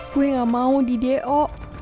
gue gak mau di d o